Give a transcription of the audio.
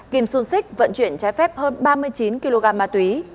kim xuân sích vận chuyển trái phép hơn ba mươi chín kg ma túy